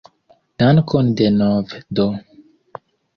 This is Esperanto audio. Dankon denove do!